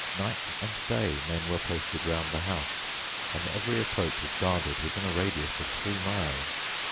Night and day men were posted round the house, and every approach was guarded within a radius of three miles.